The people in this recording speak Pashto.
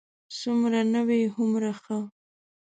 څومره نوی، هومره ښه.